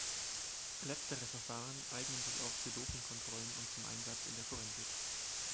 Letztere Verfahren eignen sich auch für Dopingkontrollen und zum Einsatz in der Forensik.